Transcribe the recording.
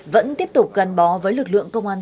vẫn tiếp tục gắn bó với lực lượng công an